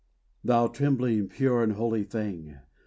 Thou trembling, pure, and holy thing!